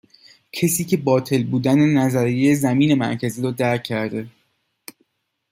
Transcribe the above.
کسی که باطل بودن نظریه زمین مرکزی رو درک کرده،